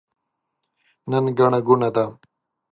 نن ګڼه ګوڼه ده.